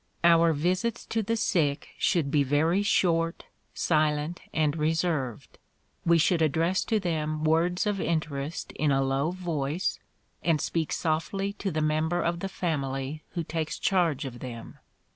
Our visits to the sick should be very short, silent, and reserved. We should address to them words of interest in a low voice, and speak softly to the member of the family who takes charge of them.